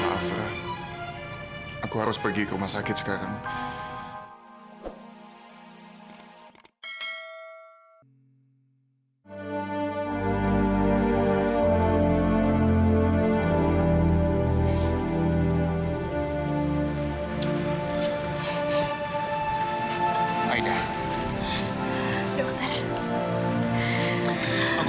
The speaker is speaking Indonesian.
maaf aku harus pergi ke rumah sakit sekarang